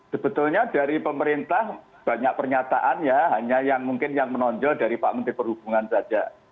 sebetulnya dari pemerintah banyak pernyataan ya hanya yang mungkin yang menonjol dari pak menteri perhubungan saja